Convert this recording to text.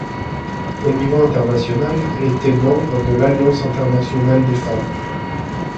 Au niveau international, elle était membre de l'Alliance internationale des femmes.